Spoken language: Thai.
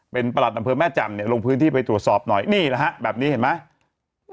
เป็นประหลัดอำเภอแม่แจ่มเนี่ยลงพื้นที่ไปตรวจสอบหน่อยนี่นะฮะแบบนี้เห็นไหม